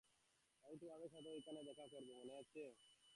আমি তোদের সাথে ঐখানে দেখা করব, মনে আছে?